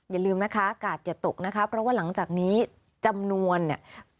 อย่าลืมนะคะอากาศอย่าตกนะคะเพราะว่าหลังจากนี้จำนวนเนี่ย